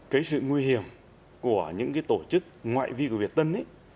cái sự nguy hiểm của những tổ chức ngoại vi của việt tân